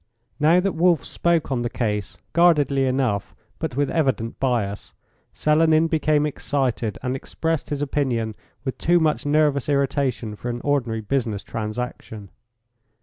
Now that Wolf spoke on the case, guardedly enough, but with evident bias, Selenin became excited, and expressed his opinion with too much nervous irritation for an ordinary business transaction.